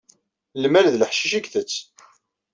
Lmal d leḥcic i itett.